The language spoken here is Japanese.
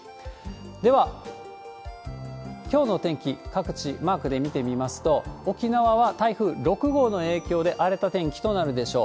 では、きょうのお天気、各地、マークで見てみますと、沖縄は台風６号の影響で荒れた天気となるでしょう。